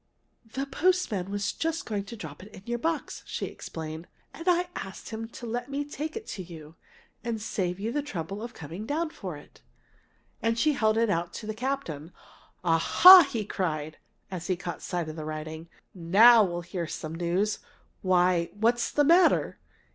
"The postman was just going to drop it in your box," she explained, "and I asked him to let me take it to you, and save you the trouble of coming down for it." And she held it out to the captain. "Aha!" he cried, as he caught sight of the writing. "Now we'll hear some news! Why what's the matter?"